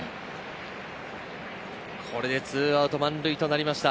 ２アウト満塁となりました。